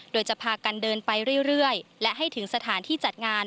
โดยจะพากันเดินไปเรื่อยและให้ถึงสถานที่จัดงาน